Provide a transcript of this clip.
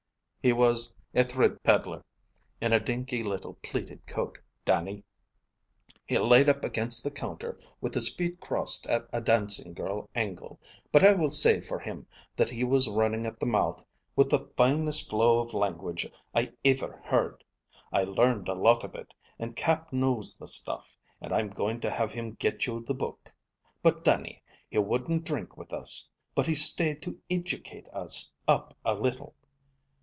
He was a thrid peddler in a dinky little pleated coat, Dannie. He laid up against the counter with his feet crossed at a dancing girl angle. But I will say for him that he was running at the mouth with the finest flow of language I iver heard. I learned a lot of it, and Cap knows the stuff, and I'm goin' to have him get you the book. But, Dannie, he wouldn't drink with us, but he stayed to iducate us up a little.